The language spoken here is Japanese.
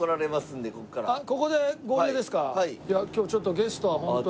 今日ちょっとゲストはホントに。